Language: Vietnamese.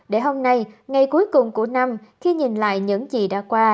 để hôm nay ngày cuối cùng của năm khi nhìn lại những gì đã qua